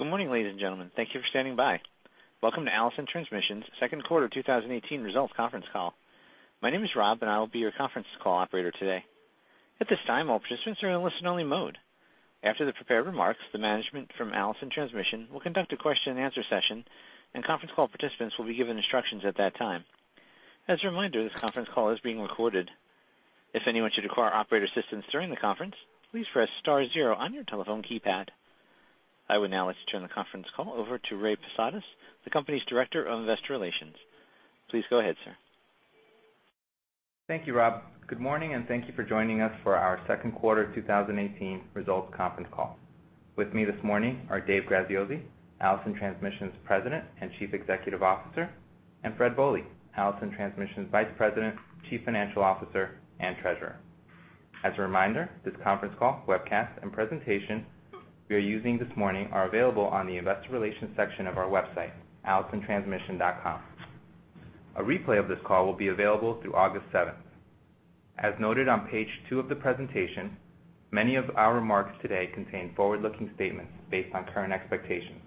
Good morning, ladies and gentlemen. Thank you for standing by. Welcome to Allison Transmission's second quarter 2018 results conference call. My name is Rob, and I will be your conference call operator today. At this time, all participants are in a listen-only mode. After the prepared remarks, the management from Allison Transmission will conduct a question-and-answer session, and conference call participants will be given instructions at that time. As a reminder, this conference call is being recorded. If anyone should require operator assistance during the conference, please press star zero on your telephone keypad. I would now like to turn the conference call over to Ray Posadas, the company's Director of Investor Relations. Please go ahead, sir. Thank you, Rob. Good morning, and thank you for joining us for our second quarter 2018 results conference call. With me this morning are Dave Graziosi, Allison Transmission's President and Chief Executive Officer, and Fred Bohley, Allison Transmission's Vice President, Chief Financial Officer, and Treasurer. As a reminder, this conference call, webcast, and presentation we are using this morning are available on the Investor Relations section of our website, allisontransmission.com. A replay of this call will be available through August 7. As noted on page 2 of the presentation, many of our remarks today contain forward-looking statements based on current expectations.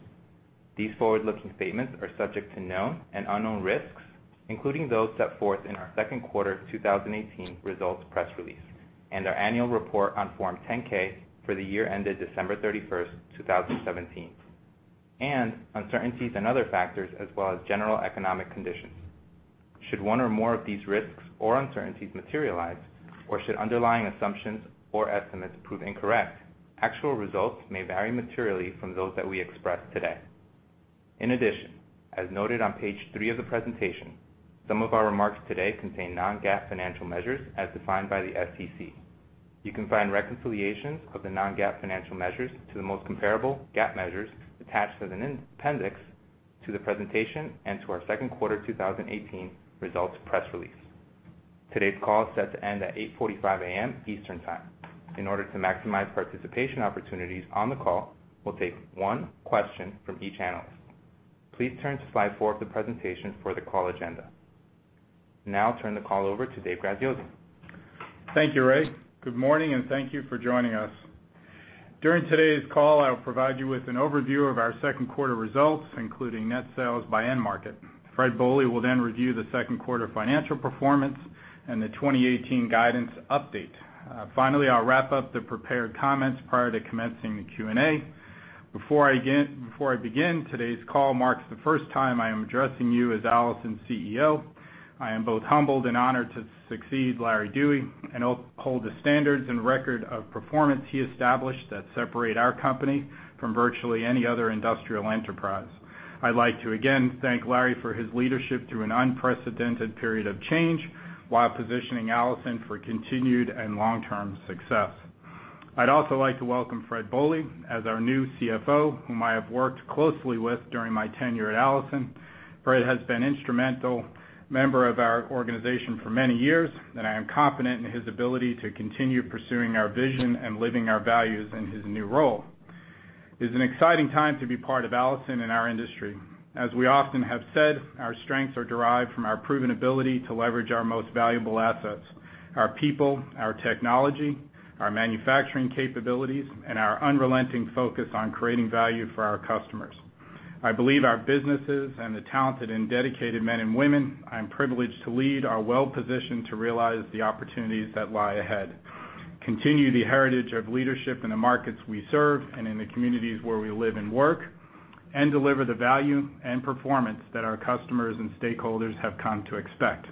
These forward-looking statements are subject to known and unknown risks, including those set forth in our second quarter 2018 results press release and our annual report on Form 10-K for the year ended December 31, 2017, and uncertainties and other factors as well as general economic conditions. Should one or more of these risks or uncertainties materialize, or should underlying assumptions or estimates prove incorrect, actual results may vary materially from those that we express today. In addition, as noted on page 3 of the presentation, some of our remarks today contain non-GAAP financial measures as defined by the SEC. You can find reconciliations of the non-GAAP financial measures to the most comparable GAAP measures attached as an appendix to the presentation and to our second quarter 2018 results press release. Today's call is set to end at 8:45 A.M. Eastern Time. In order to maximize participation opportunities on the call, we'll take one question from each analyst. Please turn to slide 4 of the presentation for the call agenda. Now I'll turn the call over to Dave Graziosi. Thank you, Ray. Good morning, and thank you for joining us. During today's call, I will provide you with an overview of our second quarter results, including net sales by end market. Fred Bohley will then review the second quarter financial performance and the 2018 guidance update. Finally, I'll wrap up the prepared comments prior to commencing the Q&A. Before I begin, today's call marks the first time I am addressing you as Allison's CEO. I am both humbled and honored to succeed Larry Dewey and hope to hold the standards and record of performance he established that separate our company from virtually any other industrial enterprise. I'd like to again thank Larry for his leadership through an unprecedented period of change while positioning Allison for continued and long-term success. I'd also like to welcome Fred Bohley as our new CFO, whom I have worked closely with during my tenure at Allison. Fred has been instrumental member of our organization for many years, and I am confident in his ability to continue pursuing our vision and living our values in his new role. It's an exciting time to be part of Allison and our industry. As we often have said, our strengths are derived from our proven ability to leverage our most valuable assets, our people, our technology, our manufacturing capabilities, and our unrelenting focus on creating value for our customers. I believe our businesses and the talented and dedicated men and women I'm privileged to lead are well-positioned to realize the opportunities that lie ahead, continue the heritage of leadership in the markets we serve and in the communities where we live and work, and deliver the value and performance that our customers and stakeholders have come to expect.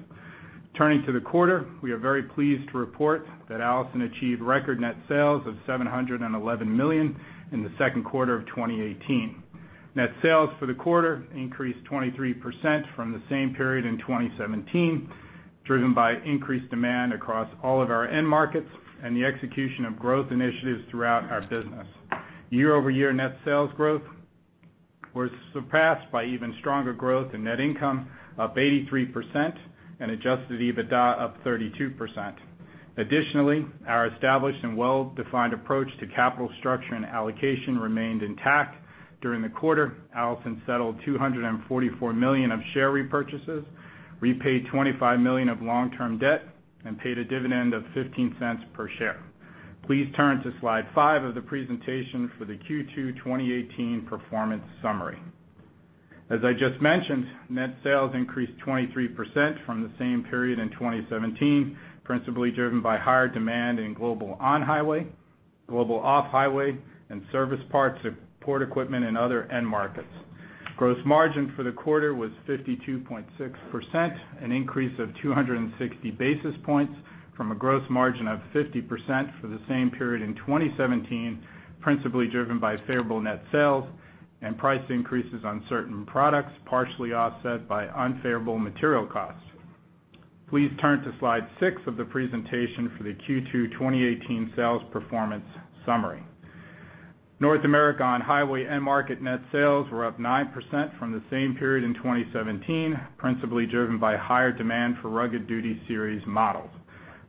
Turning to the quarter, we are very pleased to report that Allison achieved record net sales of $711 million in the second quarter of 2018. Net sales for the quarter increased 23% from the same period in 2017, driven by increased demand across all of our end markets and the execution of growth initiatives throughout our business. Year-over-year net sales growth was surpassed by even stronger growth in net income, up 83%, and Adjusted EBITDA up 32%. Additionally, our established and well-defined approach to capital structure and allocation remained intact. During the quarter, Allison settled $244 million of share repurchases, repaid $25 million of long-term debt, and paid a dividend of $0.15 per share. Please turn to slide 5 of the presentation for the Q2 2018 performance summary. As I just mentioned, net sales increased 23% from the same period in 2017, principally driven by higher demand in global on-highway, global off-highway, and service parts, support equipment, and other end markets. gross margin for the quarter was 52.6%, an increase of 260 basis points from a gross margin of 50% for the same period in 2017, principally driven by favorable net sales and price increases on certain products, partially offset by unfavorable material costs. Please turn to slide 6 of the presentation for the Q2 2018 sales performance summary. North America on-highway end market net sales were up 9% from the same period in 2017, principally driven by higher demand for Rugged Duty Series models.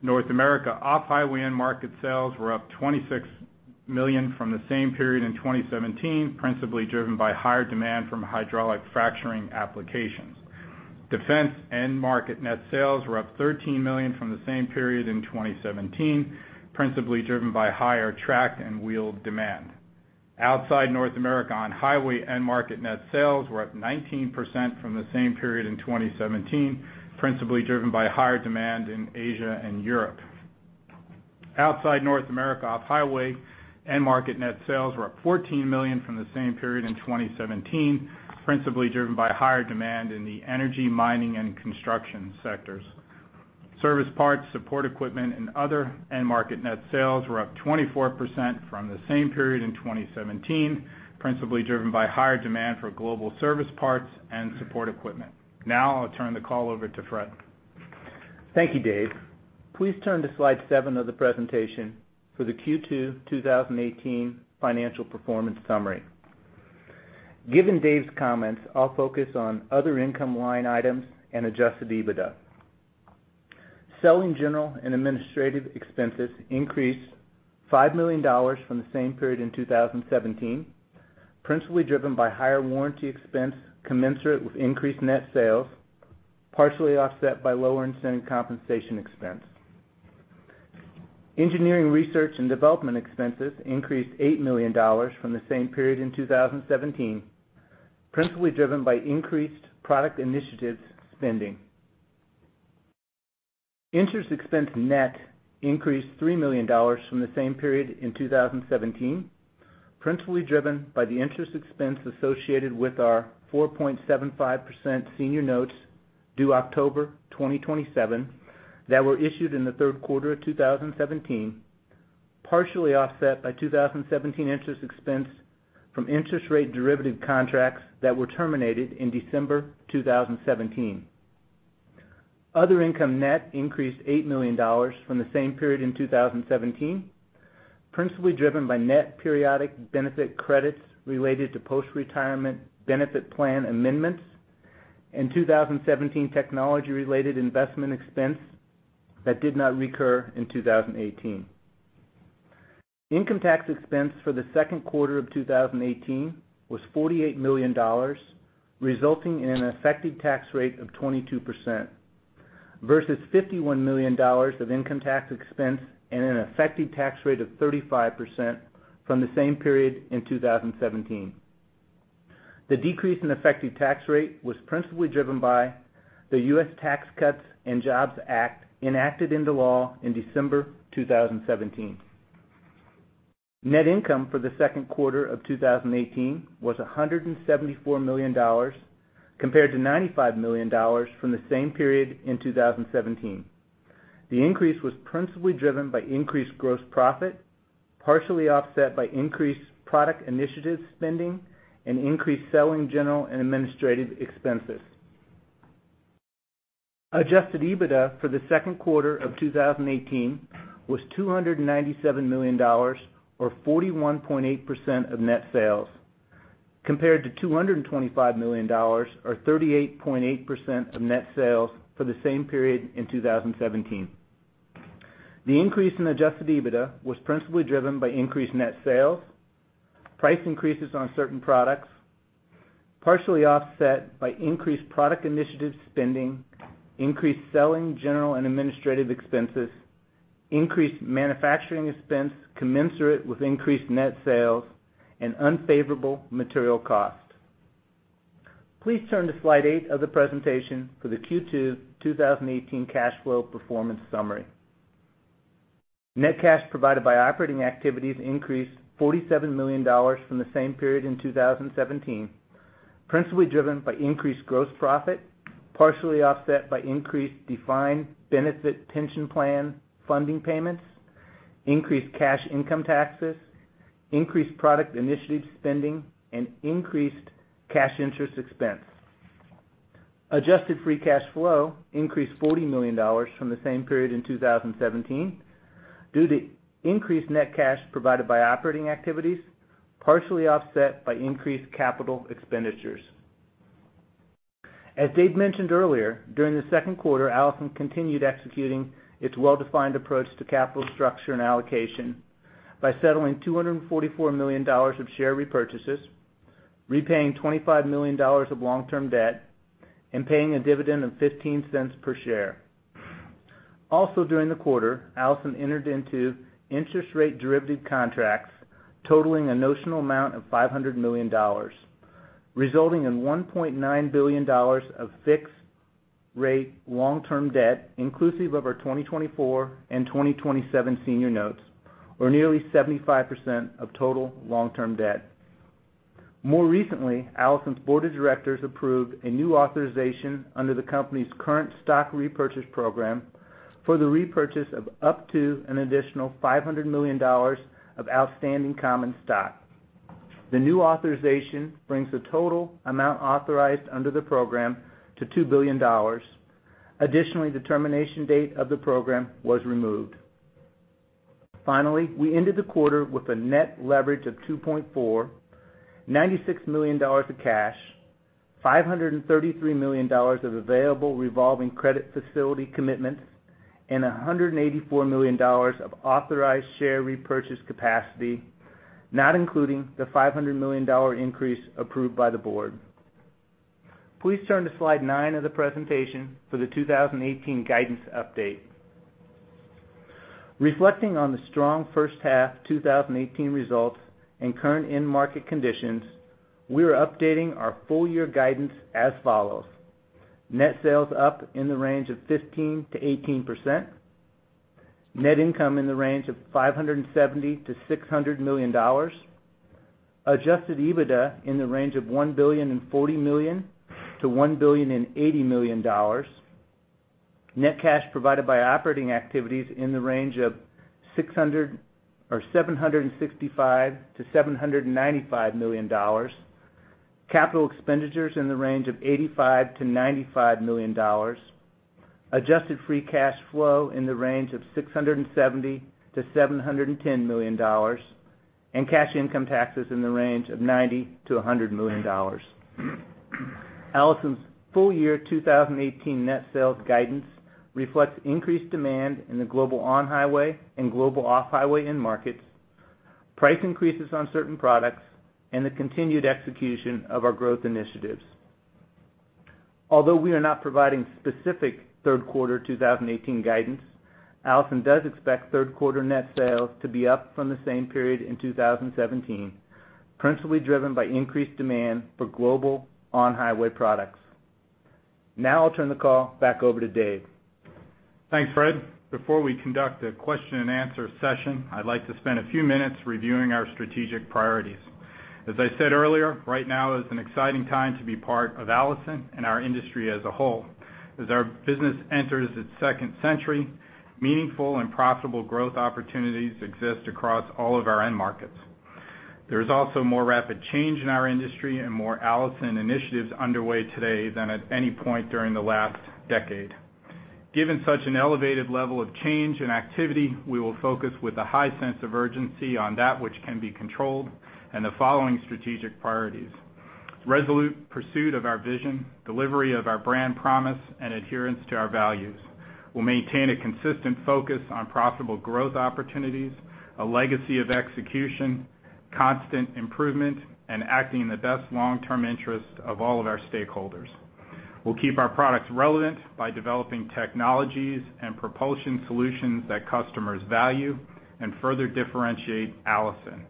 North America off-highway end market sales were up $26 million from the same period in 2017, principally driven by higher demand from hydraulic fracturing applications. Defense end market net sales were up $13 million from the same period in 2017, principally driven by higher track and wheel demand. Outside North America, on-highway end market net sales were up 19% from the same period in 2017, principally driven by higher demand in Asia and Europe. Outside North America, off-highway end market net sales were up $14 million from the same period in 2017, principally driven by higher demand in the energy, mining, and construction sectors. Service parts, support equipment, and other end-market net sales were up 24% from the same period in 2017, principally driven by higher demand for global service parts and support equipment. Now I'll turn the call over to Fred. Thank you, Dave. Please turn to slide 7 of the presentation for the Q2 2018 financial performance summary. Given Dave's comments, I'll focus on other income line items and Adjusted EBITDA. Selling, general, and administrative expenses increased $5 million from the same period in 2017, principally driven by higher warranty expense commensurate with increased net sales, partially offset by lower incentive compensation expense. Engineering, research, and development expenses increased $8 million from the same period in 2017, principally driven by increased product initiatives spending. Interest expense net increased $3 million from the same period in 2017, principally driven by the interest expense associated with our 4.75% senior notes due October 2027, that were issued in the third quarter of 2017, partially offset by 2017 interest expense from interest rate derivative contracts that were terminated in December 2017. Other income net increased $8 million from the same period in 2017, principally driven by net periodic benefit credits related to post-retirement benefit plan amendments and 2017 technology-related investment expense that did not recur in 2018. Income tax expense for the second quarter of 2018 was $48 million, resulting in an effective tax rate of 22%, versus $51 million of income tax expense and an effective tax rate of 35% from the same period in 2017. The decrease in effective tax rate was principally driven by the U.S. Tax Cuts and Jobs Act, enacted into law in December 2017. Net income for the second quarter of 2018 was $174 million, compared to $95 million from the same period in 2017. The increase was principally driven by increased gross profit, partially offset by increased product initiative spending and increased selling, general, and administrative expenses. Adjusted EBITDA for the second quarter of 2018 was $297 million, or 41.8% of net sales, compared to $225 million, or 38.8% of net sales for the same period in 2017. The increase in adjusted EBITDA was principally driven by increased net sales, price increases on certain products, partially offset by increased product initiative spending, increased selling, general and administrative expenses, increased manufacturing expense commensurate with increased net sales, and unfavorable material costs. Please turn to slide 8 of the presentation for the Q2, 2018 cash flow performance summary. Net cash provided by operating activities increased $47 million from the same period in 2017, principally driven by increased gross profit, partially offset by increased defined benefit pension plan funding payments, increased cash income taxes, increased product initiative spending, and increased cash interest expense. Adjusted free cash flow increased $40 million from the same period in 2017 due to increased net cash provided by operating activities, partially offset by increased capital expenditures. As Dave mentioned earlier, during the second quarter, Allison continued executing its well-defined approach to capital structure and allocation by settling $244 million of share repurchases, repaying $25 million of long-term debt, and paying a dividend of $0.15 per share. Also, during the quarter, Allison entered into interest rate derivative contracts totaling a notional amount of $500 million, resulting in $1.9 billion of fixed rate long-term debt, inclusive of our 2024 and 2027 senior notes, or nearly 75% of total long-term debt. More recently, Allison's board of directors approved a new authorization under the company's current stock repurchase program for the repurchase of up to an additional $500 million of outstanding common stock. The new authorization brings the total amount authorized under the program to $2 billion. Additionally, the termination date of the program was removed. Finally, we ended the quarter with a net leverage of 2.4, $96 million of cash, $533 million of available revolving credit facility commitments, and $184 million of authorized share repurchase capacity. not including the $500 million increase approved by the board. Please turn to Slide 9 of the presentation for the 2018 guidance update. Reflecting on the strong first half 2018 results and current end market conditions, we are updating our full year guidance as follows: net sales up in the range of 15%-18%, net income in the range of $570-$600 million, adjusted EBITDA in the range of $1.04 billion-$1.08 billion, net cash provided by operating activities in the range of $765-$795 million, capital expenditures in the range of $85-$95 million, adjusted free cash flow in the range of $670-$710 million, and cash income taxes in the range of $90-$100 million. Allison's full year 2018 net sales guidance reflects increased demand in the global on-highway and global off-highway end markets, price increases on certain products, and the continued execution of our growth initiatives. Although we are not providing specific third quarter 2018 guidance, Allison does expect third quarter net sales to be up from the same period in 2017, principally driven by increased demand for global on-highway products. Now I'll turn the call back over to Dave. Thanks, Fred. Before we conduct a question-and-answer session, I'd like to spend a few minutes reviewing our strategic priorities. As I said earlier, right now is an exciting time to be part of Allison and our industry as a whole. As our business enters its second century, meaningful and profitable growth opportunities exist across all of our end markets. There is also more rapid change in our industry and more Allison initiatives underway today than at any point during the last decade. Given such an elevated level of change and activity, we will focus with a high sense of urgency on that which can be controlled and the following strategic priorities: resolute pursuit of our vision, delivery of our brand promise, and adherence to our values. We'll maintain a consistent focus on profitable growth opportunities, a legacy of execution, constant improvement, and acting in the best long-term interest of all of our stakeholders. We'll keep our products relevant by developing technologies and propulsion solutions that customers value and further differentiate Allison.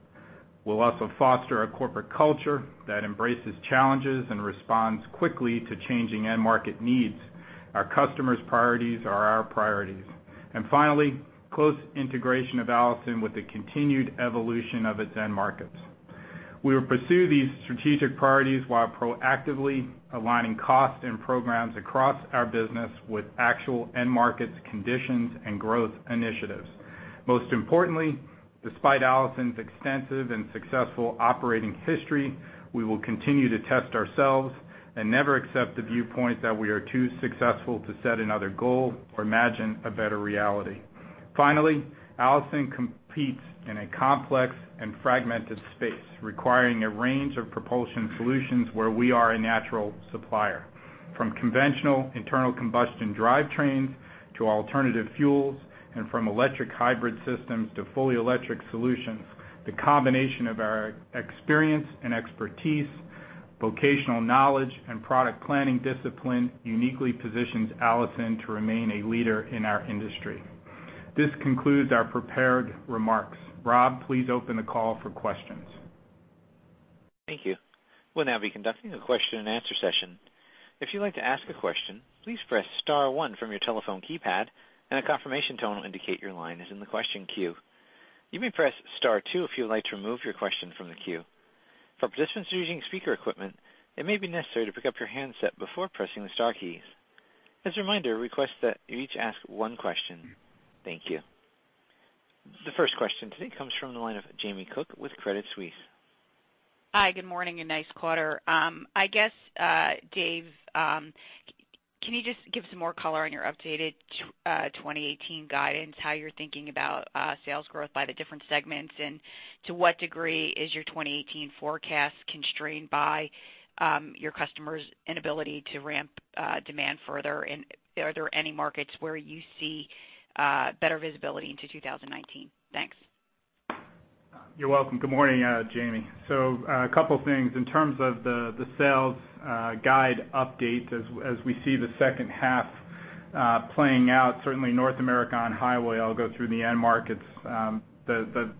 We'll also foster a corporate culture that embraces challenges and responds quickly to changing end market needs. Our customers' priorities are our priorities. And finally, close integration of Allison with the continued evolution of its end markets. We will pursue these strategic priorities while proactively aligning costs and programs across our business with actual end markets, conditions, and growth initiatives. Most importantly, despite Allison's extensive and successful operating history, we will continue to test ourselves and never accept the viewpoint that we are too successful to set another goal or imagine a better reality. Finally, Allison competes in a complex and fragmented space, requiring a range of propulsion solutions where we are a natural supplier. From conventional internal combustion drivetrains to alternative fuels, and from electric hybrid systems to fully electric solutions, the combination of our experience and expertise, vocational knowledge, and product planning discipline uniquely positions Allison to remain a leader in our industry. This concludes our prepared remarks. Rob, please open the call for questions. Thank you. We'll now be conducting a question-and-answer session. If you'd like to ask a question, please press star one from your telephone keypad, and a confirmation tone will indicate your line is in the question queue. You may press star two if you would like to remove your question from the queue. For participants using speaker equipment, it may be necessary to pick up your handset before pressing the star keys. As a reminder, we request that you each ask one question. Thank you. The first question today comes from the line of Jamie Cook with Credit Suisse. Hi, good morning, and nice quarter. I guess, Dave, can you just give some more color on your updated 2018 guidance, how you're thinking about sales growth by the different segments? And to what degree is your 2018 forecast constrained by your customers' inability to ramp demand further? And are there any markets where you see better visibility into 2019? Thanks. You're welcome. Good morning, Jamie. So, a couple things. In terms of the sales guide update, as we see the second half playing out, certainly North America on-highway, I'll go through the end markets,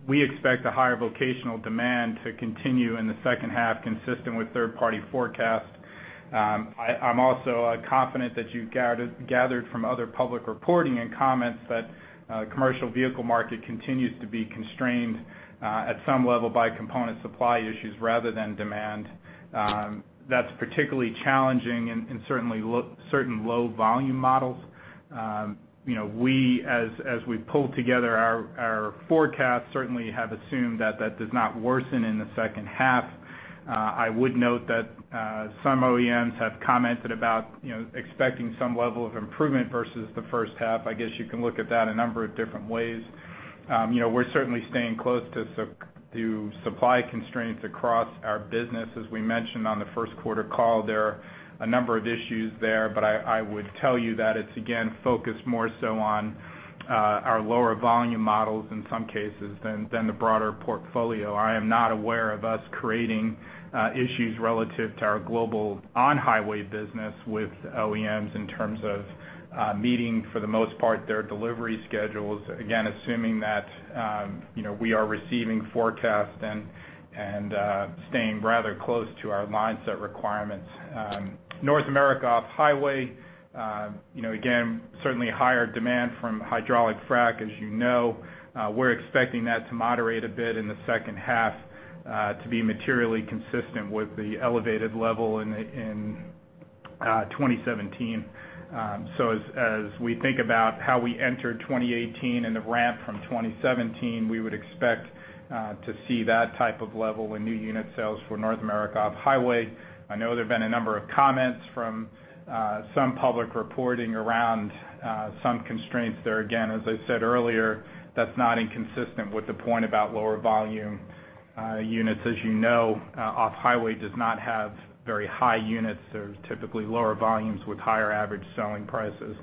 we expect a higher vocational demand to continue in the second half, consistent with third-party forecasts. I'm also confident that you gathered from other public reporting and comments that commercial vehicle market continues to be constrained at some level by component supply issues rather than demand. That's particularly challenging in certain low volume models. You know, we as we pull together our forecast, certainly have assumed that that does not worsen in the second half. I would note that some OEMs have commented about, you know, expecting some level of improvement versus the first half. I guess you can look at that a number of different ways. You know, we're certainly staying close to supply constraints across our business. As we mentioned on the first quarter call, there are a number of issues there, but I would tell you that it's again, focused more so on our lower volume models in some cases than the broader portfolio. I am not aware of us creating issues relative to our global on-highway business with OEMs in terms of meeting, for the most part, their delivery schedules. Again, assuming that, you know, we are receiving forecasts and staying rather close to our line set requirements. North America off-highway, you know, again, certainly higher demand from hydraulic fracturing, as you know. We're expecting that to moderate a bit in the second half, to be materially consistent with the elevated level in 2017. So as we think about how we entered 2018 and the ramp from 2017, we would expect to see that type of level in new unit sales for North America off-highway. I know there have been a number of comments from some public reporting around some constraints there. Again, as I said earlier, that's not inconsistent with the point about lower volume units. As you know, off-highway does not have very high units. They're typically lower volumes with higher average selling prices.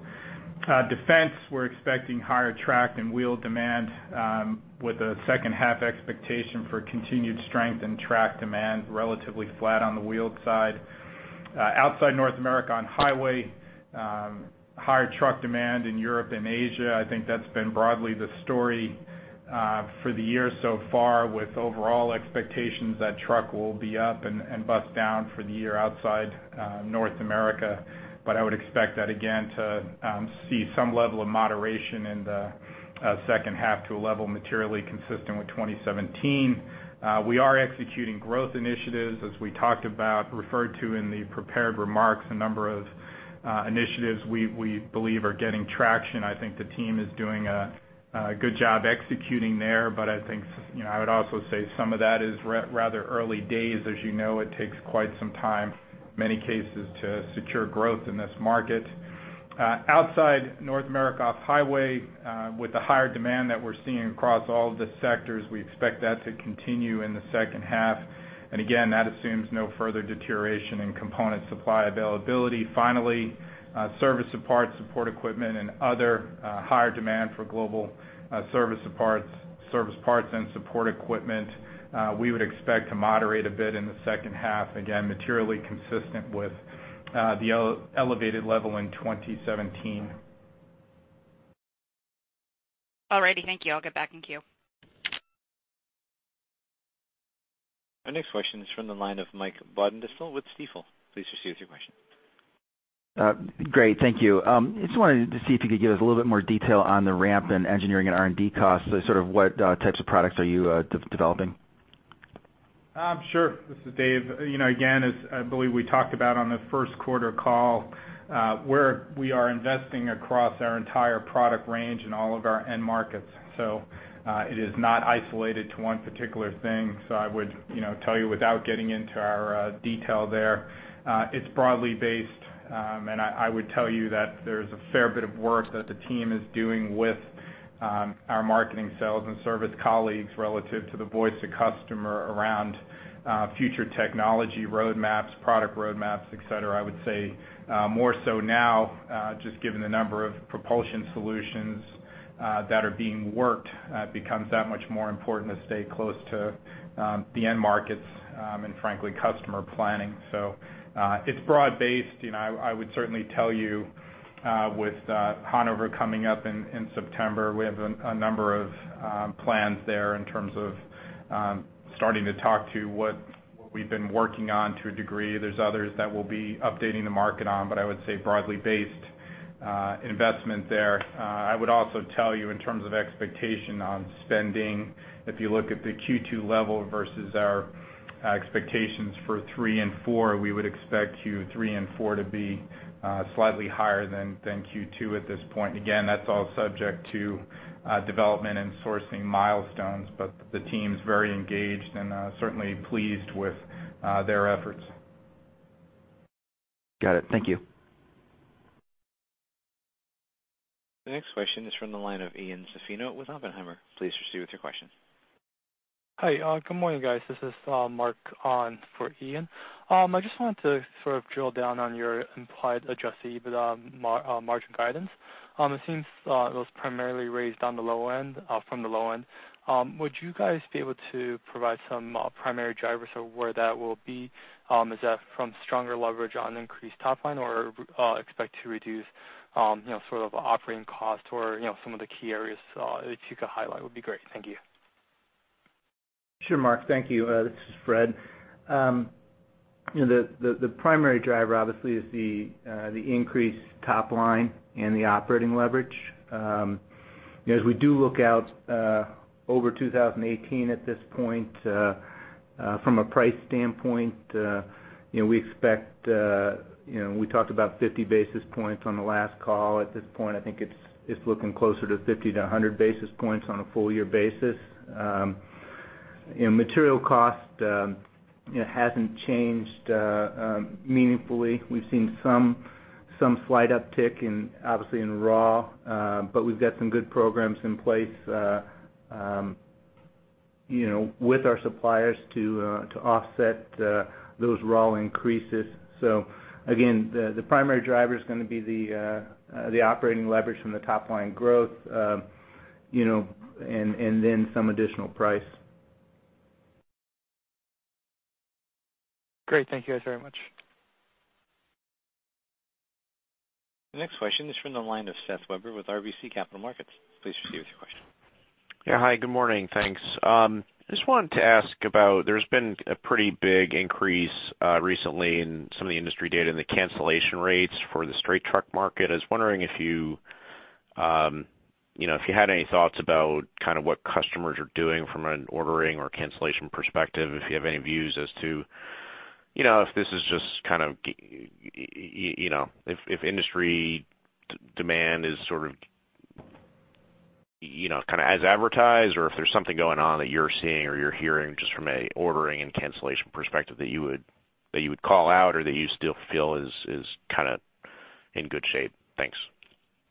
Defense, we're expecting higher track and wheel demand, with a second half expectation for continued strength and track demand, relatively flat on the wheel side. Outside North America on highway, higher truck demand in Europe and Asia. I think that's been broadly the story for the year so far, with overall expectations that truck will be up and, and bus down for the year outside North America. But I would expect that again to see some level of moderation in the second half to a level materially consistent with 2017. We are executing growth initiatives, as we talked about, referred to in the prepared remarks, a number of initiatives we believe are getting traction. I think the team is doing a good job executing there, but I think, you know, I would also say some of that is rather early days. As you know, it takes quite some time, many cases, to secure growth in this market. Outside North America off-highway, with the higher demand that we're seeing across all the sectors, we expect that to continue in the second half. And again, that assumes no further deterioration in component supply availability. Finally, service and parts, support equipment and other, higher demand for global service and parts, service parts and support equipment, we would expect to moderate a bit in the second half, again, materially consistent with the elevated level in 2017. All righty. Thank you. I'll get back in queue. Our next question is from the line of Mike Baudendistel with Stifel. Please proceed with your question. Great, thank you. I just wanted to see if you could give us a little bit more detail on the ramp in engineering and R&D costs, so sort of what types of products are you developing? Sure. This is Dave. You know, again, as I believe we talked about on the first quarter call, we are investing across our entire product range in all of our end markets, so, it is not isolated to one particular thing. So I would, you know, tell you without getting into our, detail there, it's broadly based. And I would tell you that there's a fair bit of work that the team is doing with, our marketing, sales and service colleagues relative to the voice to customer around, future technology, roadmaps, product roadmaps, et cetera. I would say, more so now, just given the number of propulsion solutions, that are being worked, becomes that much more important to stay close to, the end markets, and frankly, customer planning. So, it's broad-based. You know, I would certainly tell you, with Hannover coming up in September, we have a number of plans there in terms of starting to talk to what we've been working on to a degree. There's others that we'll be updating the market on, but I would say broadly based investment there. I would also tell you, in terms of expectation on spending, if you look at the Q2 level versus our expectations for three and four, we would expect Q3 and four to be slightly higher than Q2 at this point. Again, that's all subject to development and sourcing milestones, but the team's very engaged and certainly pleased with their efforts. Got it. Thank you. The next question is from the line of Ian Macpherson Macpherson Please proceed with your question. Hi, good morning, guys. This is, Mark on for Ian Macpherson. I just wanted to sort of drill down on your implied adjusted EBITDA margin guidance. It seems, it was primarily raised on the low end, from the low end. Would you guys be able to provide some, primary drivers of where that will be? Is that from stronger leverage on increased top line or, expect to reduce, you know, sort of operating costs or, you know, some of the key areas, if you could highlight, would be great. Thank you. Sure, Mark. Thank you. This is Fred. You know, the primary driver, obviously, is the increased top line and the operating leverage. As we do look out over 2018 at this point, from a price standpoint, you know, we expect, you know, we talked about 50 basis points on the last call. At this point, I think it's looking closer to 50-100 basis points on a full year basis.... You know, material cost, you know, hasn't changed meaningfully. We've seen some slight uptick in, obviously, raw, but we've got some good programs in place, you know, with our suppliers to offset those raw increases. So again, the primary driver is gonna be the operating leverage from the top line growth, you know, and then some additional price. Great. Thank you guys very much. The next question is from the line of Seth Weber with RBC Capital Markets. Please proceed with your question. Yeah. Hi, good morning. Thanks. I just wanted to ask about, there's been a pretty big increase recently in some of the industry data and the cancellation rates for the straight truck market. I was wondering if you, you know, if you had any thoughts about kind of what customers are doing from an ordering or cancellation perspective, if you have any views as to, you know, if this is just kind of you know, if industry demand is sort of, you know, kind of as advertised, or if there's something going on that you're seeing or you're hearing just from a ordering and cancellation perspective that you would call out or that you still feel is kind of in good shape? Thanks.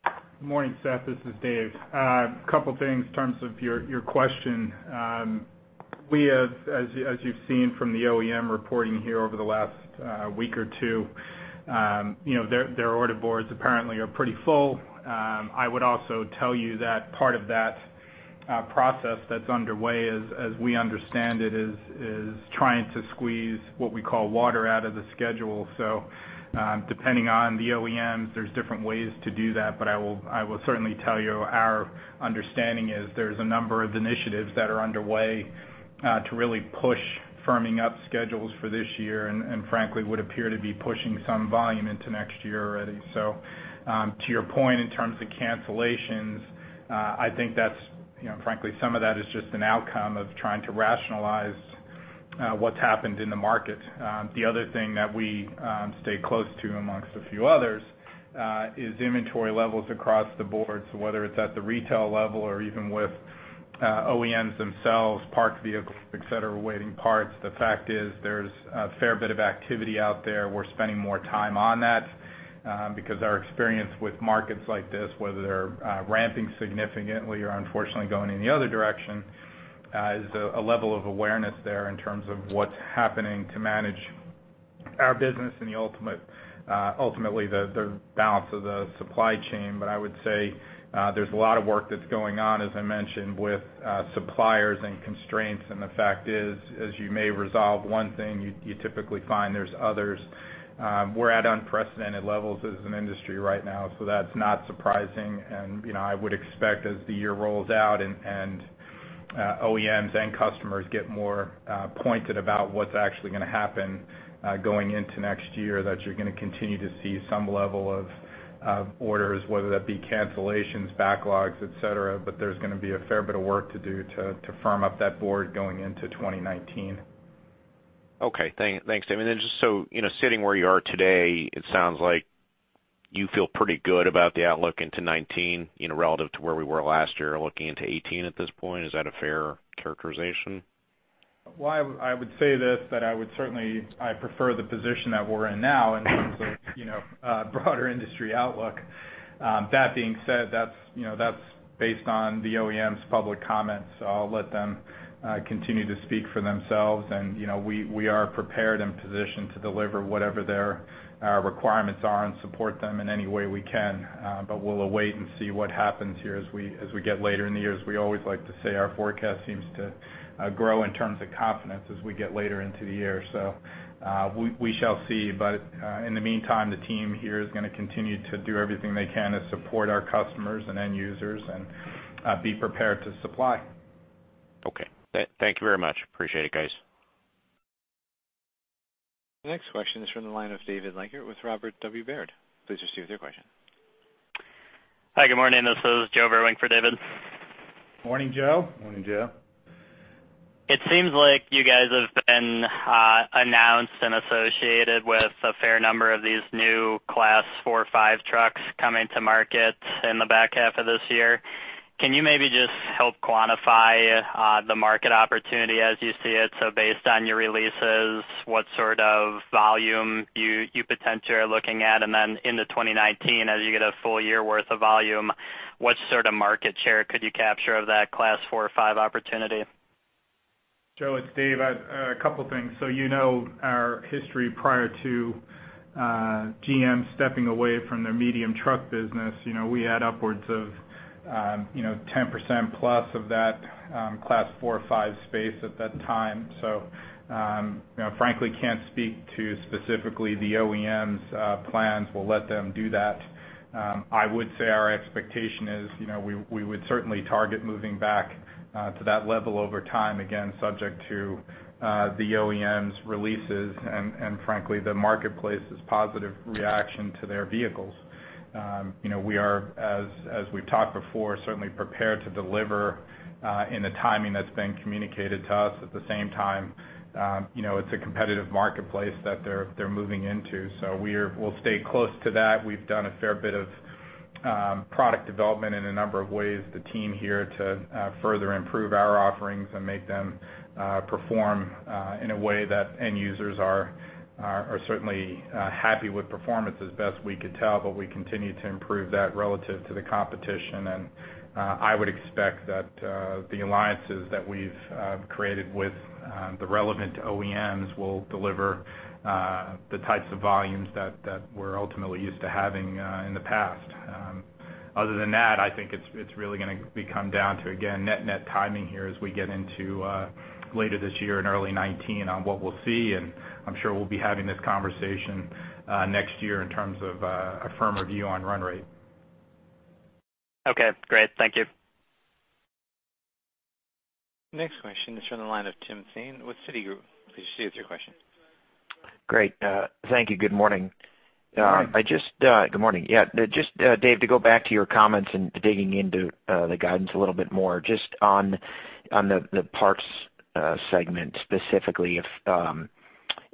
Good morning, Seth. This is Dave. Couple things in terms of your, your question. We have, as you've seen from the OEM reporting here over the last week or two, you know, their, their order boards apparently are pretty full. I would also tell you that part of that process that's underway, as we understand it, is trying to squeeze what we call water out of the schedule. So, depending on the OEMs, there's different ways to do that, but I will certainly tell you our understanding is there's a number of initiatives that are underway to really push firming up schedules for this year, and frankly, would appear to be pushing some volume into next year already. So, to your point, in terms of cancellations, I think that's, you know, frankly, some of that is just an outcome of trying to rationalize, what's happened in the market. The other thing that we stay close to, among a few others, is inventory levels across the board. So whether it's at the retail level or even with, OEMs themselves, parked vehicles, et cetera, waiting parts, the fact is there's a fair bit of activity out there. We're spending more time on that, because our experience with markets like this, whether they're ramping significantly or unfortunately going in the other direction, is a level of awareness there in terms of what's happening to manage our business and the ultimate, ultimately, the balance of the supply chain. But I would say, there's a lot of work that's going on, as I mentioned, with, suppliers and constraints. And the fact is, as you may resolve one thing, you, you typically find there's others. We're at unprecedented levels as an industry right now, so that's not surprising. And, you know, I would expect as the year rolls out and, and, OEMs and customers get more, pointed about what's actually gonna happen, going into next year, that you're gonna continue to see some level of, of orders, whether that be cancellations, backlogs, et cetera, but there's gonna be a fair bit of work to do to, to firm up that board going into 2019. Okay. Thanks, David. And then just so, you know, sitting where you are today, it sounds like you feel pretty good about the outlook into 2019, you know, relative to where we were last year, looking into 2018 at this point. Is that a fair characterization? Well, I, I would say this, that I would certainly—I prefer the position that we're in now in terms of, you know, broader industry outlook. That being said, that's, you know, that's based on the OEM's public comments, so I'll let them continue to speak for themselves. And, you know, we, we are prepared and positioned to deliver whatever their requirements are and support them in any way we can. But we'll await and see what happens here as we, as we get later in the year. As we always like to say, our forecast seems to grow in terms of confidence as we get later into the year. So, we, we shall see. But in the meantime, the team here is gonna continue to do everything they can to support our customers and end users and be prepared to supply. Okay. Thank you very much. Appreciate it, guys. The next question is from the line of David Leiker with Robert W. Baird. Please proceed with your question. Hi, good morning. This is Joe Goodwin for David. Morning, Joe. Morning, Joe. It seems like you guys have been announced and associated with a fair number of these new Class 4, 5 trucks coming to market in the back half of this year. Can you maybe just help quantify the market opportunity as you see it? So based on your releases, what sort of volume you potentially are looking at? And then into 2019, as you get a full year worth of volume, what sort of market share could you capture of that Class 4 or 5 opportunity? Joe, it's Dave. A couple things. So you know our history prior to, GM stepping away from their medium truck business. You know, we had upwards of, you know, 10% plus of that, Class 4, 5 space at that time. So, you know, frankly, can't speak to specifically the OEM's, plans. We'll let them do that. I would say our expectation is, you know, we, we would certainly target moving back, to that level over time, again, subject to, the OEM's releases and, and frankly, the marketplace's positive reaction to their vehicles. You know, we are, as, as we've talked before, certainly prepared to deliver, in the timing that's been communicated to us. At the same time, you know, it's a competitive marketplace that they're, they're moving into, so we're, we'll stay close to that. We've done a fair bit of product development in a number of ways, the team here to further improve our offerings and make them perform in a way that end users are certainly happy with performance as best we could tell, but we continue to improve that relative to the competition. And I would expect that the alliances that we've created with the relevant OEMs will deliver the types of volumes that we're ultimately used to having in the past. Other than that, I think it's really gonna come down to, again, net net timing here as we get into later this year and early 2019 on what we'll see, and I'm sure we'll be having this conversation next year in terms of a firmer view on run rate. Okay, great. Thank you. Next question is from the line of Timothy Thein with Citigroup. Please state your question. Great. Thank you. Good morning. Good morning. Good morning. Yeah, just Dave, to go back to your comments and digging into the guidance a little bit more, just on the parts segment, specifically,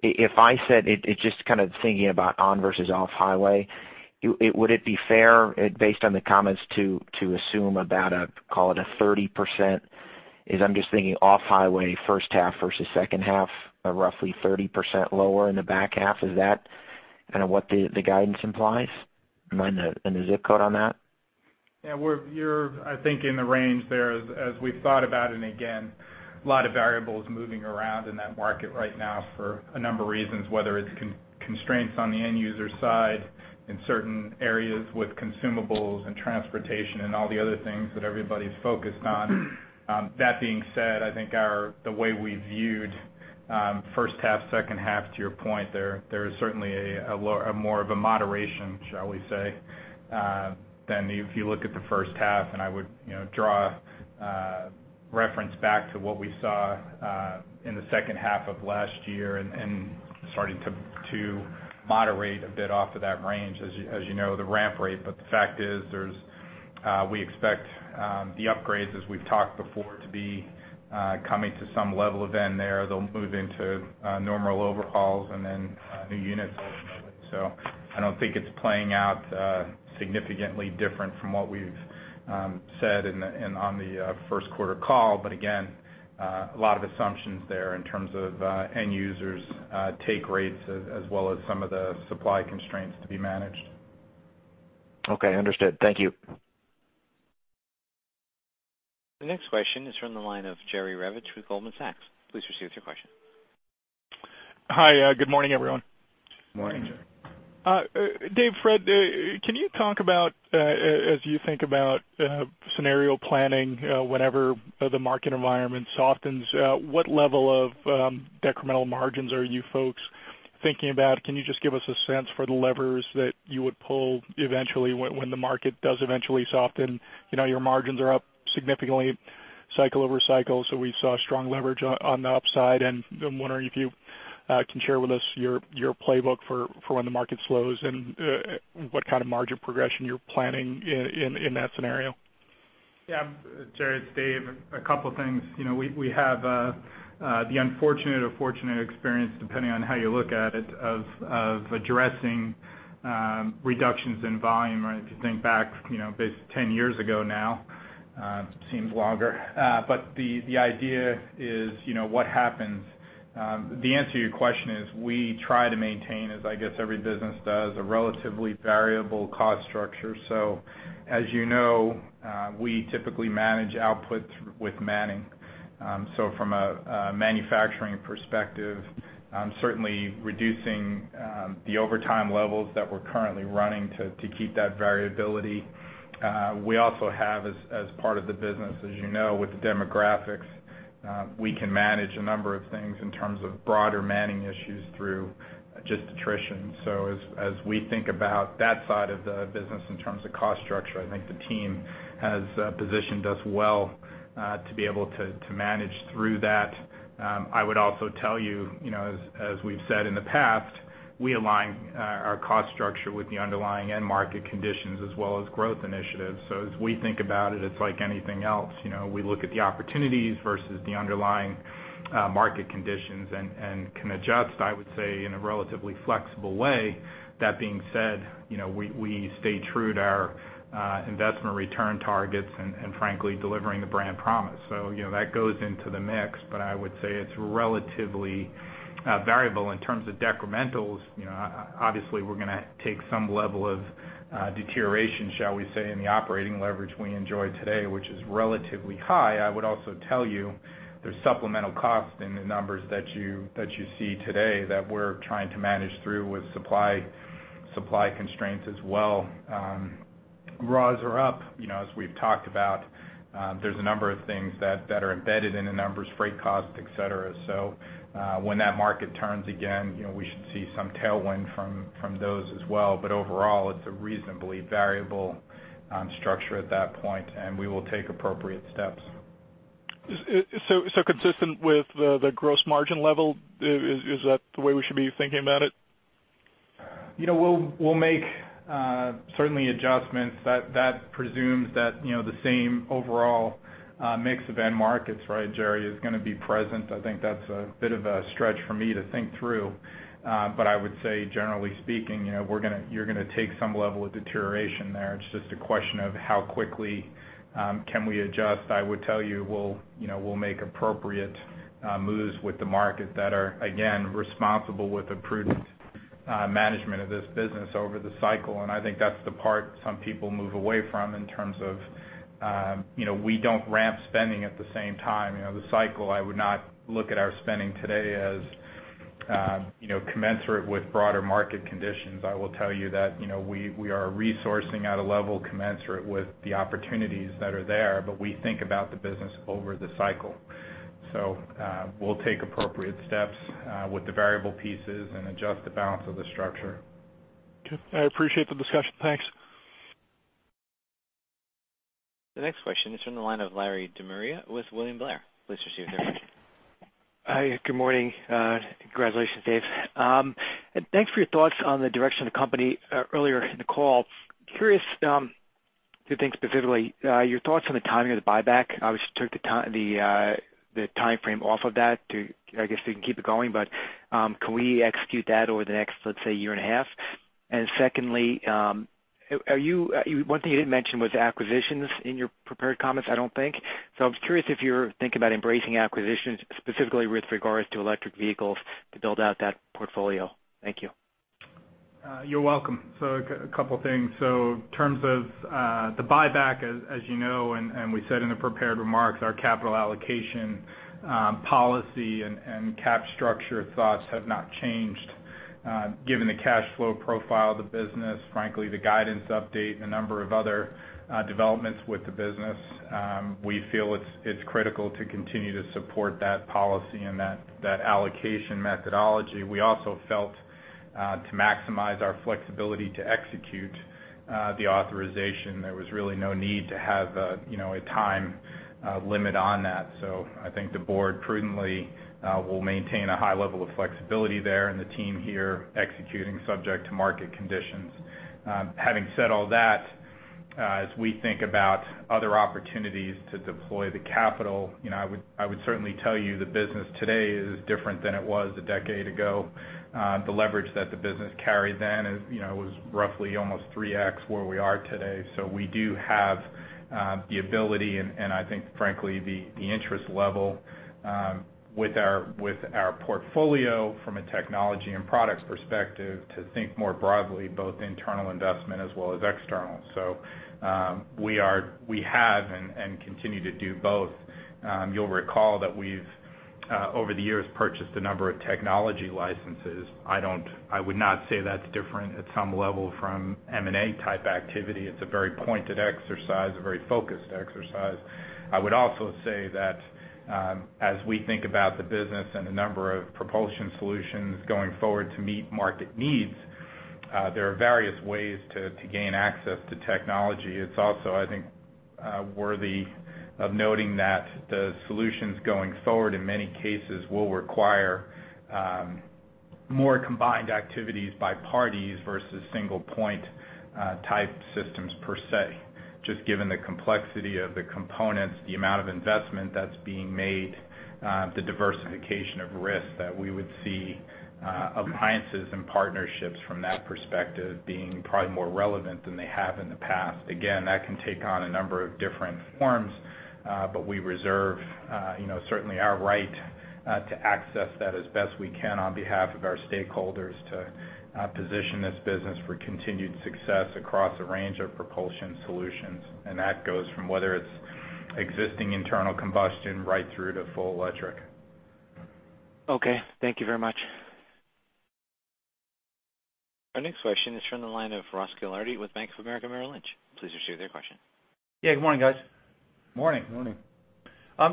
if I said it, just kind of thinking about on versus off-highway, you would it be fair, based on the comments, to assume about a, call it a 30%, I'm just thinking off-highway, first half versus second half, a roughly 30% lower in the back half, is that kind of what the guidance implies, and the zip code on that? Yeah, we're- you're, I think, in the range there as, as we've thought about it, and again, a lot of variables moving around in that market right now for a number of reasons, whether it's constraints on the end user side, in certain areas with consumables and transportation and all the other things that everybody's focused on. That being said, I think our the way we viewed, first half, second half, to your point, there, there is certainly a more of a moderation, shall we say, than if you look at the first half, and I would, you know, draw reference back to what we saw, in the second half of last year and, and starting to, to moderate a bit off of that range, as you, as you know, the ramp rate. But the fact is, there's, we expect, the upgrades, as we've talked before, to be, coming to some level event there. They'll move into, normal overhauls and then, new units. So I don't think it's playing out, significantly different from what we've, said in the, on the, first quarter call. But again, a lot of assumptions there in terms of, end users, take rates, as well as some of the supply constraints to be managed. Okay, understood. Thank you. The next question is from the line of Jerry Revich with Goldman Sachs. Please proceed with your question. Hi, good morning, everyone. Morning, Jerry. Dave, Fred, can you talk about as you think about scenario planning whenever the market environment softens, what level of decremental margins are you folks thinking about? Can you just give us a sense for the levers that you would pull eventually when the market does eventually soften? You know, your margins are up significantly, cycle over cycle, so we saw strong leverage on the upside. And I'm wondering if you can share with us your playbook for when the market slows and what kind of margin progression you're planning in that scenario? Yeah, Jerry, it's Dave. A couple of things. You know, we have the unfortunate or fortunate experience, depending on how you look at it, of addressing reductions in volume, right? If you think back, you know, basically 10 years ago now, seems longer. But the idea is, you know, what happens? The answer to your question is we try to maintain, as I guess, every business does, a relatively variable cost structure. So as you know, we typically manage output with manning. So from a manufacturing perspective, certainly reducing the overtime levels that we're currently running to keep that variability. We also have, as part of the business, as you know, with the demographics, we can manage a number of things in terms of broader manning issues through just attrition. So as, as we think about that side of the business in terms of cost structure, I think the team has positioned us well to be able to, to manage through that. I would also tell you, you know, as, as we've said in the past, we align our cost structure with the underlying end market conditions as well as growth initiatives. So as we think about it, it's like anything else. You know, we look at the opportunities versus the underlying market conditions and, and can adjust, I would say, in a relatively flexible way. That being said, you know, we, we stay true to our investment return targets and, and frankly, delivering the brand promise. So, you know, that goes into the mix, but I would say it's relatively variable in terms of decrementals, you know, obviously, we're gonna take some level of deterioration, shall we say, in the operating leverage we enjoy today, which is relatively high. I would also tell you, there's supplemental costs in the numbers that you see today that we're trying to manage through with supply constraints as well. Raws are up. You know, as we've talked about, there's a number of things that are embedded in the numbers, freight costs, et cetera. So, when that market turns again, you know, we should see some tailwind from those as well. But overall, it's a reasonably variable structure at that point, and we will take appropriate steps. So, consistent with the Gross Margin level, is that the way we should be thinking about it?... You know, we'll make certainly adjustments that presumes that, you know, the same overall mix of end markets, right, Jerry, is gonna be present. I think that's a bit of a stretch for me to think through. But I would say, generally speaking, you know, you're gonna take some level of deterioration there. It's just a question of how quickly can we adjust. I would tell you, we'll, you know, make appropriate moves with the market that are, again, responsible with a prudent management of this business over the cycle. And I think that's the part some people move away from in terms of, you know, we don't ramp spending at the same time. You know, the cycle, I would not look at our spending today as, you know, commensurate with broader market conditions. I will tell you that, you know, we are resourcing at a level commensurate with the opportunities that are there, but we think about the business over the cycle. So, we'll take appropriate steps with the variable pieces and adjust the balance of the structure. Okay. I appreciate the discussion. Thanks. The next question is from the line of Larry De Maria with William Blair. Please proceed with your question. Hi, good morning. Congratulations, Dave. And thanks for your thoughts on the direction of the company, earlier in the call. Curious, two things specifically, your thoughts on the timing of the buyback. Obviously, took the timeframe off of that to, I guess, we can keep it going, but, can we execute that over the next, let's say, year and a half? And secondly, are you, one thing you didn't mention was acquisitions in your prepared comments, I don't think. So I was curious if you're thinking about embracing acquisitions, specifically with regards to electric vehicles, to build out that portfolio. Thank you. You're welcome. So a couple things. So in terms of, the buyback, as you know, and we said in the prepared remarks, our capital allocation, policy and cap structure thoughts have not changed. Given the cash flow profile of the business, frankly, the guidance update and a number of other, developments with the business, we feel it's critical to continue to support that policy and that allocation methodology. We also felt, to maximize our flexibility to execute, the authorization, there was really no need to have a, you know, a time, limit on that. So I think the board prudently, will maintain a high level of flexibility there, and the team here executing subject to market conditions. Having said all that, as we think about other opportunities to deploy the capital, you know, I would, I would certainly tell you the business today is different than it was a decade ago. The leverage that the business carried then is, you know, was roughly almost 3x where we are today. So we do have the ability and, and I think, frankly, the, the interest level with our, with our portfolio from a technology and products perspective, to think more broadly, both internal investment as well as external. So, we are-- we have and, and continue to do both. You'll recall that we've over the years, purchased a number of technology licenses. I don't-- I would not say that's different at some level from M&A type activity. It's a very pointed exercise, a very focused exercise. I would also say that, as we think about the business and the number of propulsion solutions going forward to meet market needs, there are various ways to gain access to technology. It's also, I think, worthy of noting that the solutions going forward, in many cases, will require more combined activities by parties versus single point type systems per se, just given the complexity of the components, the amount of investment that's being made, the diversification of risk that we would see, alliances and partnerships from that perspective being probably more relevant than they have in the past. Again, that can take on a number of different forms, but we reserve, you know, certainly our right to access that as best we can on behalf of our stakeholders to position this business for continued success across a range of propulsion solutions. That goes from whether it's existing internal combustion right through to full electric. Okay. Thank you very much. Our next question is from the line of Ross Gilardi with Bank of America Merrill Lynch. Please proceed with your question. Yeah, good morning, guys. Morning. Morning.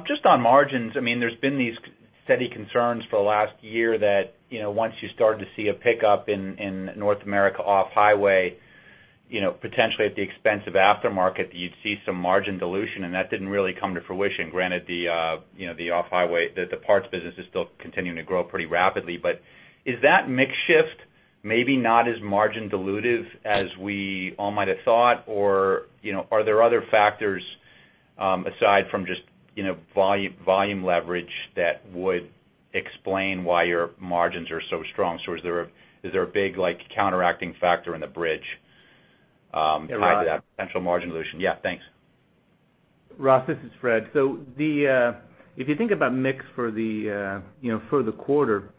Just on margins, I mean, there's been these steady concerns for the last year that, you know, once you start to see a pickup in North America off-highway, you know, potentially at the expense of aftermarket, that you'd see some margin dilution, and that didn't really come to fruition. Granted, you know, the off-highway, the parts business is still continuing to grow pretty rapidly. But is that mix shift maybe not as margin dilutive as we all might have thought? Or, you know, are there other factors, aside from just, you know, volume, volume leverage, that would explain why your margins are so strong? So is there a big, like, counteracting factor in the bridge to that potential margin dilution? Yeah, thanks. Ross, this is Fred. So if you think about mix for the quarter,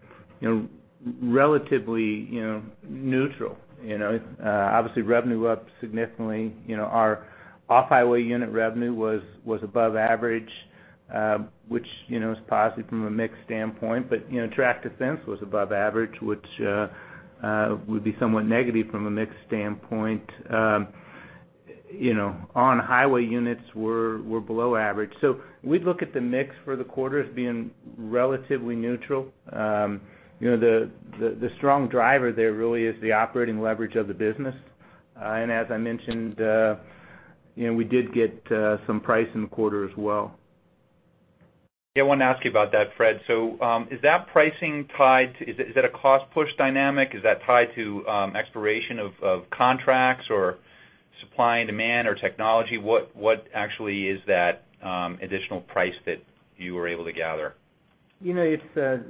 you know, relatively neutral, you know? Obviously, revenue up significantly. You know, our off-highway unit revenue was above average, which, you know, is positive from a mix standpoint. But you know, track defense was above average, which would be somewhat negative from a mix standpoint. You know, on-highway units were below average. So we'd look at the mix for the quarter as being relatively neutral. You know, the strong driver there really is the operating leverage of the business. And as I mentioned, you know, we did get some price in the quarter as well.... Yeah, I want to ask you about that, Fred. So, is that a cost push dynamic? Is that tied to expiration of contracts or supply and demand or technology? What actually is that additional price that you were able to gather? You know, it's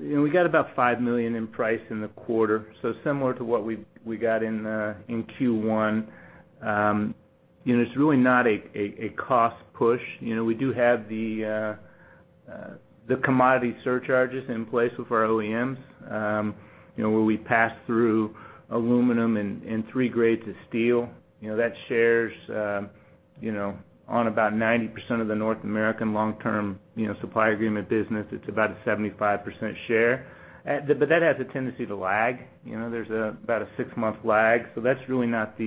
you know, we got about $5 million in price in the quarter, so similar to what we got in Q1. You know, it's really not a cost push. You know, we do have the commodity surcharges in place with our OEMs, you know, where we pass through aluminum and three grades of steel. You know, that shares you know, on about 90% of the North American long-term you know, supply agreement business, it's about a 75% share. But that has a tendency to lag, you know, there's about a six-month lag, so that's really not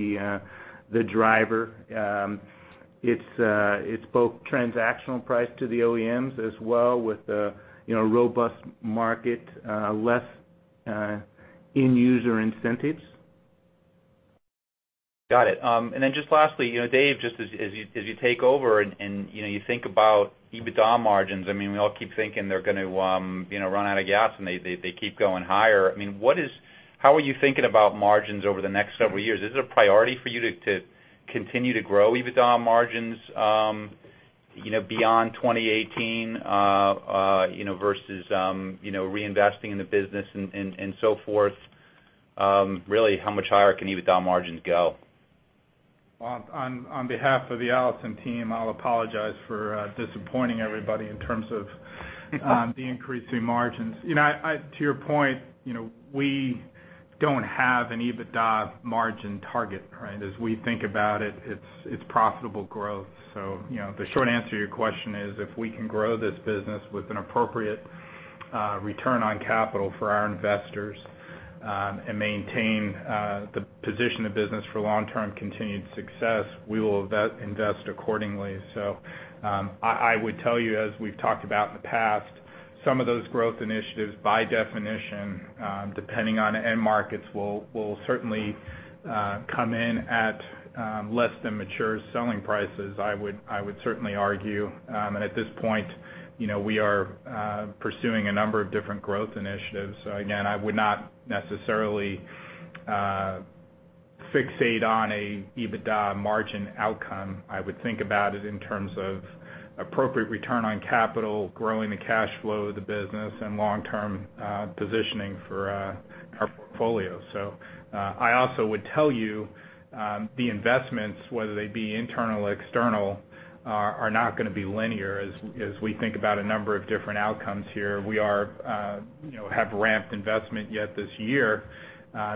the driver. It's both transactional price to the OEMs as well, with the you know, robust market, less end user incentives. Got it. And then just lastly, you know, Dave, just as you, as you take over and, and, you know, you think about EBITDA margins, I mean, we all keep thinking they're going to, you know, run out of gas, and they, they, they keep going higher. I mean, what is- how are you thinking about margins over the next several years? Is it a priority for you to, to continue to grow EBITDA margins, you know, beyond 2018, you know, versus, you know, reinvesting in the business and, and, and so forth? Really, how much higher can EBITDA margins go? Well, on behalf of the Allison team, I'll apologize for disappointing everybody in terms of the increasing margins. You know, to your point, you know, we don't have an EBITDA margin target, right? As we think about it, it's profitable growth. So, you know, the short answer to your question is, if we can grow this business with an appropriate return on capital for our investors, and maintain the position of business for long-term continued success, we will invest accordingly. So, I would tell you, as we've talked about in the past, some of those growth initiatives, by definition, depending on end markets, will certainly come in at less than mature selling prices. I would, I would certainly argue, and at this point, you know, we are pursuing a number of different growth initiatives. So again, I would not necessarily fixate on an EBITDA margin outcome. I would think about it in terms of appropriate return on capital, growing the cash flow of the business, and long-term positioning for our portfolio. So, I also would tell you, the investments, whether they be internal or external, are, are not gonna be linear as, as we think about a number of different outcomes here. We are, you know, have ramped investment yet this year,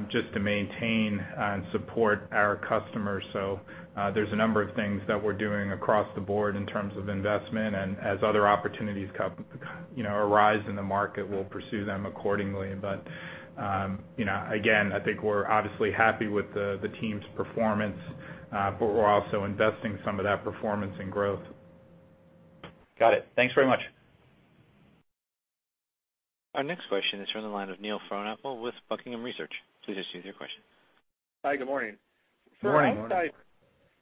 just to maintain and support our customers. So, there's a number of things that we're doing across the board in terms of investment, and as other opportunities come, you know, arise in the market, we'll pursue them accordingly. But, you know, again, I think we're obviously happy with the team's performance, but we're also investing some of that performance in growth. Got it. Thanks very much. Our next question is from the line of Neil Frohnapfel with Buckingham Research. Please state your question. Hi, good morning. Good morning.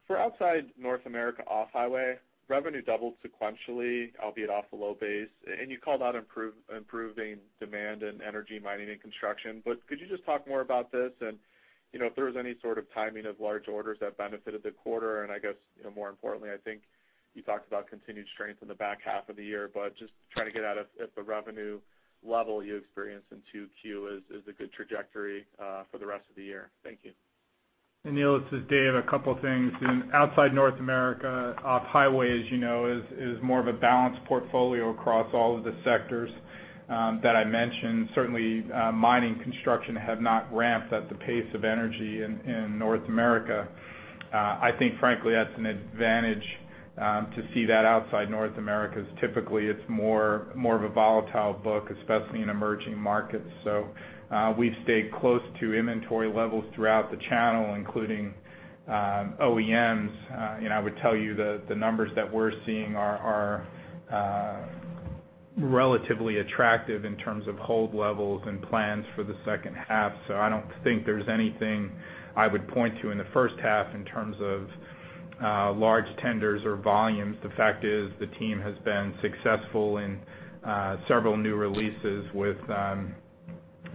For outside North America off-highway, revenue doubled sequentially, albeit off a low base, and you called out improving demand in energy, mining, and construction. But could you just talk more about this? And, you know, if there was any sort of timing of large orders that benefited the quarter. And I guess, you know, more importantly, I think you talked about continued strength in the back half of the year, but just trying to get at if the revenue level you experienced in 2Q is a good trajectory for the rest of the year. Thank you. Hey, Neil, this is Dave. A couple things. In outside North America, off-highway, as you know, is more of a balanced portfolio across all of the sectors that I mentioned. Certainly, mining, construction have not ramped at the pace of energy in North America. I think frankly, that's an advantage to see that outside North America, because typically, it's more of a volatile book, especially in emerging markets. So, we've stayed close to inventory levels throughout the channel, including OEMs. And I would tell you the numbers that we're seeing are relatively attractive in terms of hold levels and plans for the second half. So I don't think there's anything I would point to in the first half in terms of large tenders or volumes. The fact is, the team has been successful in several new releases with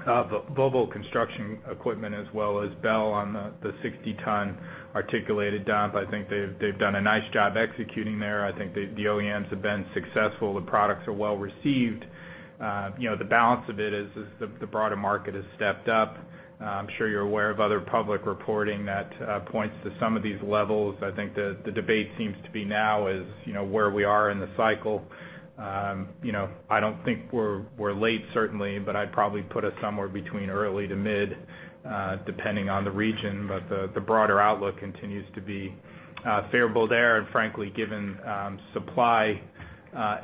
Volvo Construction Equipment, as well as Bell on the 60-ton articulated dump. I think they've done a nice job executing there. I think the OEMs have been successful. The products are well received. You know, the balance of it is the broader market has stepped up. I'm sure you're aware of other public reporting that points to some of these levels. I think the debate seems to be now is, you know, where we are in the cycle. You know, I don't think we're late, certainly, but I'd probably put us somewhere between early to mid, depending on the region. But the broader outlook continues to be favorable there, and frankly, given supply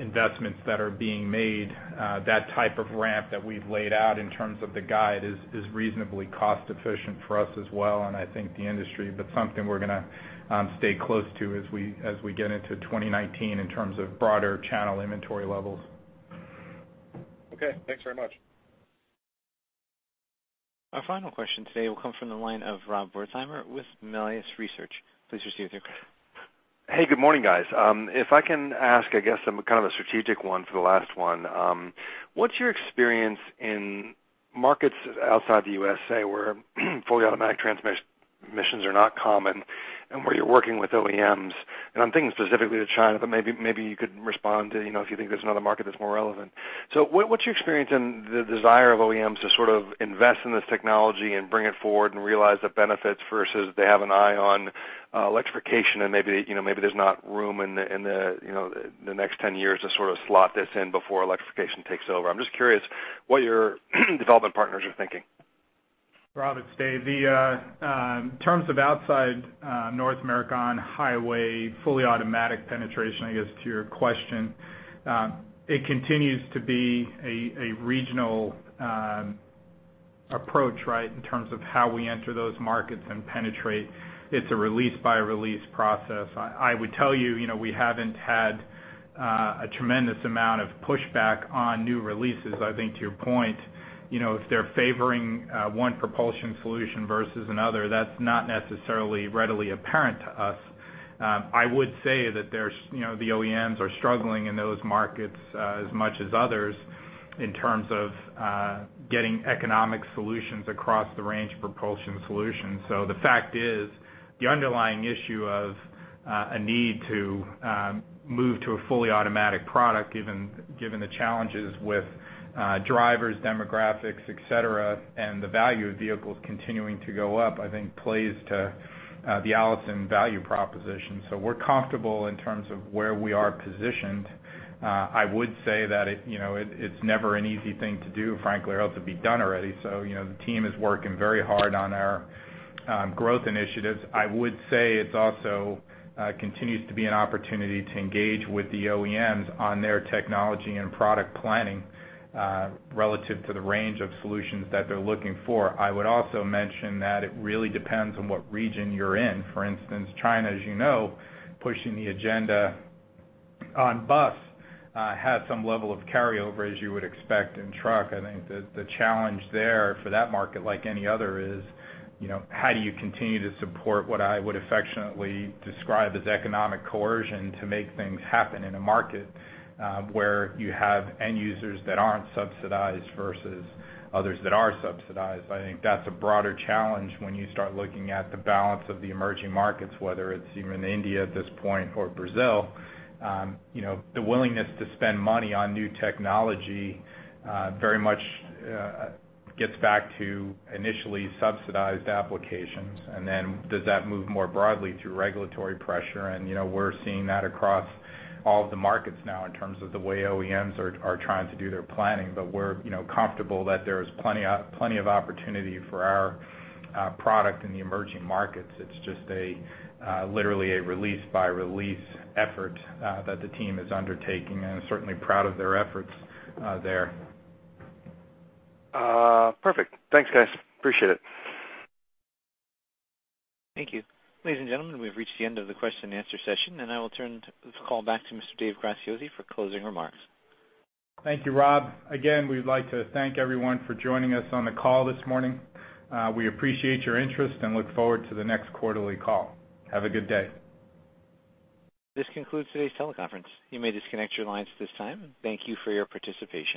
investments that are being made, that type of ramp that we've laid out in terms of the guide is reasonably cost efficient for us as well, and I think the industry. But something we're gonna stay close to as we get into 2019 in terms of broader channel inventory levels. Okay, thanks very much. ...Our final question today will come from the line of Rob Wertheimer with Melius Research. Please proceed with your question. Hey, good morning, guys. If I can ask, I guess, some kind of a strategic one for the last one. What's your experience in markets outside the USA, where fully automatic transmissions are not common and where you're working with OEMs? And I'm thinking specifically to China, but maybe, maybe you could respond to, you know, if you think there's another market that's more relevant. So what, what's your experience in the desire of OEMs to sort of invest in this technology and bring it forward and realize the benefits versus they have an eye on electrification, and maybe, you know, maybe there's not room in the, in the, you know, the next 10 years to sort of slot this in before electrification takes over? I'm just curious what your development partners are thinking. Rob, it's Dave. The, in terms of outside, North America on highway, fully automatic penetration, I guess, to your question, it continues to be a regional approach, right? In terms of how we enter those markets and penetrate. It's a release-by-release process. I would tell you, you know, we haven't had a tremendous amount of pushback on new releases. I think, to your point, you know, if they're favoring one propulsion solution versus another, that's not necessarily readily apparent to us. I would say that there's, you know, the OEMs are struggling in those markets, as much as others in terms of getting economic solutions across the range of propulsion solutions. So the fact is, the underlying issue of a need to move to a fully automatic product, given the challenges with drivers, demographics, et cetera, and the value of vehicles continuing to go up, I think, plays to the Allison value proposition. So we're comfortable in terms of where we are positioned. I would say that it, you know, it's never an easy thing to do, frankly, or else it'd be done already. So, you know, the team is working very hard on our growth initiatives. I would say it's also continues to be an opportunity to engage with the OEMs on their technology and product planning relative to the range of solutions that they're looking for. I would also mention that it really depends on what region you're in. For instance, China, as you know, pushing the agenda on bus has some level of carryover, as you would expect in truck. I think the challenge there for that market, like any other, is, you know, how do you continue to support what I would affectionately describe as economic coercion to make things happen in a market where you have end users that aren't subsidized versus others that are subsidized? I think that's a broader challenge when you start looking at the balance of the emerging markets, whether it's even India at this point or Brazil. You know, the willingness to spend money on new technology very much gets back to initially subsidized applications, and then does that move more broadly through regulatory pressure? You know, we're seeing that across all of the markets now in terms of the way OEMs are trying to do their planning. But we're, you know, comfortable that there is plenty of opportunity for our product in the emerging markets. It's just literally a release-by-release effort that the team is undertaking, and I'm certainly proud of their efforts there. Perfect. Thanks, guys. Appreciate it. Thank you. Ladies and gentlemen, we've reached the end of the question and answer session, and I will turn this call back to Mr. Dave Graziosi for closing remarks. Thank you, Rob. Again, we'd like to thank everyone for joining us on the call this morning. We appreciate your interest and look forward to the next quarterly call. Have a good day. This concludes today's teleconference. You may disconnect your lines at this time. Thank you for your participation.